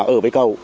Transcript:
ở với cậu